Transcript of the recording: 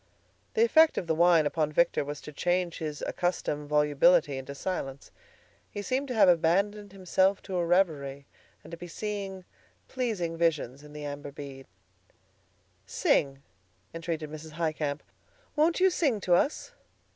The effect of the wine upon Victor was to change his accustomed volubility into silence. He seemed to have abandoned himself to a reverie, and to be seeing pleasing visions in the amber bead. "Sing," entreated Mrs. Highcamp. "Won't you sing to us?"